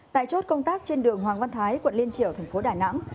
tại chốt công tác trên đường hoàng văn thái quận liên triều tp đài nẵng